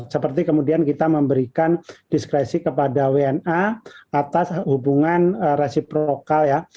seperti kemudian kita memberikan diskresi kepada wna atas hubungan resiprokal ya